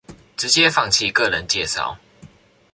直接放棄個人介紹